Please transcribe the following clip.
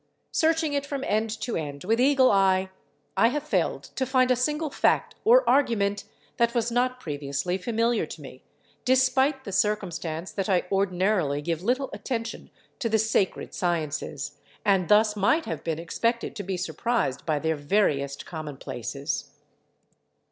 Searching it from end to end with eagle eye, I have failed to find a single fact or argument that was not previously familiar to me, despite the circumstance that I ordinarily give little attention to the sacred sciences and thus might have been expected to be surprised by their veriest commonplaces.